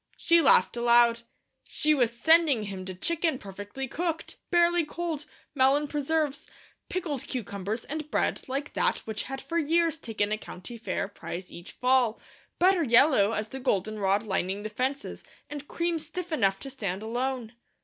She laughed aloud. She was sending him to chicken perfectly cooked, barely cold, melon preserves, pickled cucumbers, and bread like that which had for years taken a County Fair prize each fall; butter yellow as the goldenrod lining the fences, and cream stiff enough to stand alone.